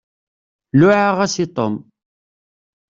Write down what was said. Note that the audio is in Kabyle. Luɛaɣ-as i Tom.